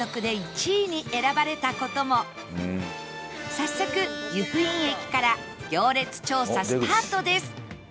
早速由布院駅から行列調査スタートです